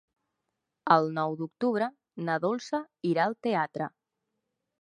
El nou d'octubre na Dolça irà al teatre.